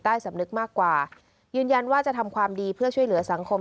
สำนึกมากกว่ายืนยันว่าจะทำความดีเพื่อช่วยเหลือสังคม